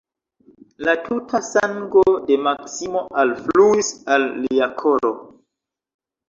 La tuta sango de Maksimo alfluis al lia koro.